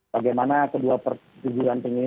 bagaimana kedua persisjilan ini